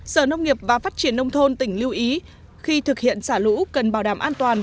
sở nông nghiệp và phát triển nông thôn tỉnh lưu ý khi thực hiện xả lũ cần bảo đảm an toàn